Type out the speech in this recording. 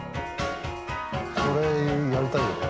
これやりたいよね。